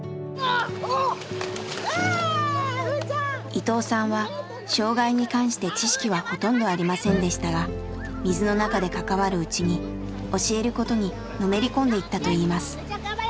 伊藤さんは障害に関して知識はほとんどありませんでしたが水の中で関わるうちに教えることにのめり込んでいったといいます。